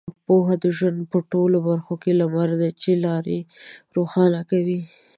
پوهه د ژوند په ټولو برخو کې لمر دی چې لارې روښانه کوي.